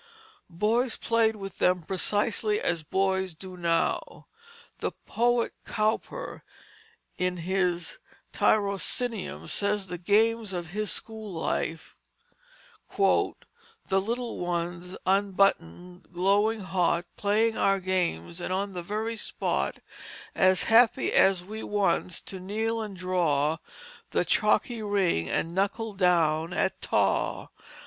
Boys played with them precisely as boys do now. The poet Cowper in his Tirocinium says of the games of his school life: "The little ones unbutton'd, glowing hot Playing our games and on the very spot As happy as we once, to kneel and draw The chalky ring, and knuckle down at taw."